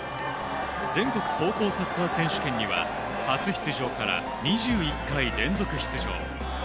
全国高校サッカー選手権には初出場から２１回連続出場。